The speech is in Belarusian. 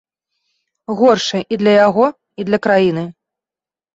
Горшы і для яго, і для краіны.